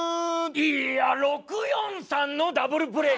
いや６−４−３のダブルプレー。